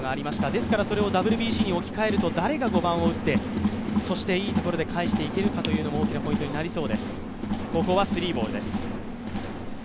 ですからそれをＷＢＣに置きかえると誰が５番を打って、そしていいところで返していけるか大きなポイントになりそうです。